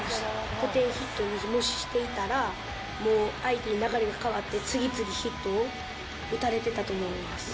ポテンヒットにもししていたら、もう相手に流れが変わって、次々ヒットを打たれてたと思います。